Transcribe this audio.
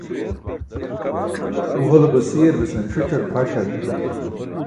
u hole basiyar besan ṣic̣ar phaṣar niman